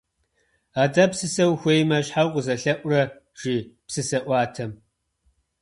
Атӏэ, псысэ ухуэмеймэ, щхьэ укъызэлъэӏурэ? - жи псысэӏуатэм.